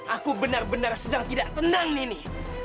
aku benar benar sedang tidak tenang ini